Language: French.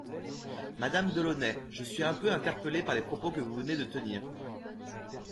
Madame Delaunay, je suis un peu interpellée par les propos que vous venez de tenir.